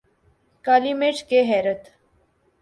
کالی مرچ کے حیرت